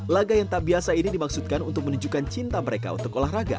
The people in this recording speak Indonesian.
laga yang tak biasa ini dimaksudkan untuk menunjukkan cinta mereka untuk olahraga